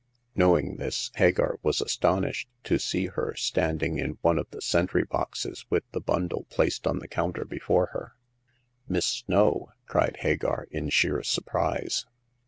Knowing this, Hagar was astonished to see her standing in one of the sentry boxes, with the bundle placed on the counter before her. Miss Snow !*' cried Hagar, in sheer surprise.